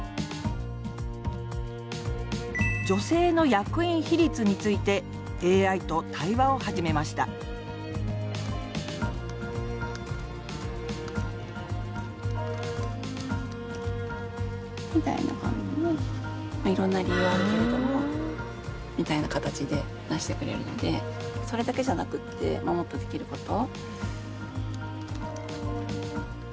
「女性の役員比率」についてＡＩと対話を始めました「いろんな理由はあるけれども」みたいな形で出してくれるのでそれだけじゃなくてもっとできること。